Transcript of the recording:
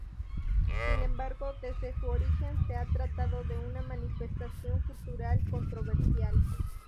Sin embargo desde su origen se ha tratado de una manifestación cultural controversial.